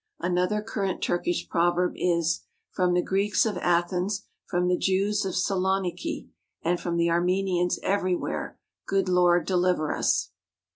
Another current Turkish proverb is, "From the Greeks of Athens, from the Jews of Saloniki, and from the Armenians everywhere, good Lord deliver us!"